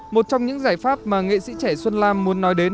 một trong những giải pháp mà nghệ sĩ trẻ xuân lam muốn nói đến